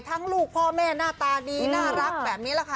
ลูกพ่อแม่หน้าตาดีน่ารักแบบนี้แหละค่ะ